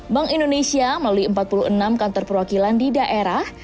bank indonesia melalui empat puluh enam kantor perwakilan di daerah